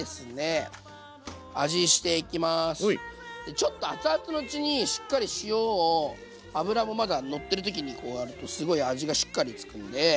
ちょっと熱々のうちにしっかり塩を油もまだのってるときにこうやるとすごい味がしっかり付くんで。